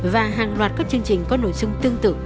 và hàng loạt các chương trình có nội dung tương tự